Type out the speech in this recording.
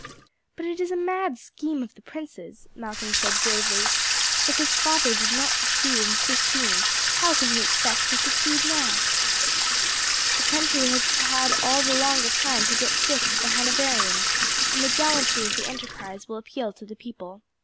"But it is a mad scheme of the prince's," Malcolm said gravely. "If his father did not succeed in '15 how can he expect to succeed now?" "The country has had all the longer time to get sick of the Hanoverians, and the gallantry of the enterprise will appeal to the people.